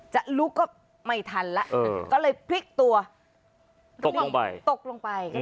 จะลุกก็ไม่ทันแล้วก็เลยพลิกตัวลงไปตกลงไป